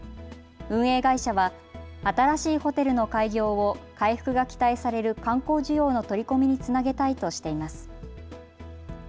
運営会社は新しいホテルの開業を回復が期待される観光需要の取り込みにつなげたいとしています。